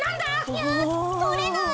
いやんとれない。